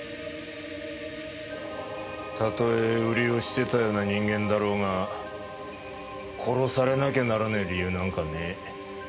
たとえウリをしてたような人間だろうが殺されなきゃならねえ理由なんかねえ。